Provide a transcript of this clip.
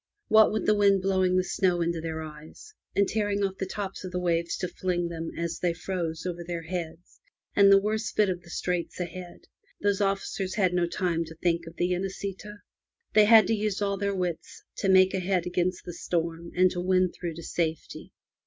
What with the wind blowing the snow into their eyes, and tearing off the tops of the waves to fling them, as they froze, over their heads, and the worst bit of the Straits ahead, those officers had no time to think of the Inesita. They had to use all their wits to make a head against the storm, and to win through to safety.